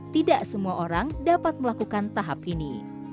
tidak semua orang dapat melakukan tahap ini